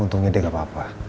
untungnya dia gak apa apa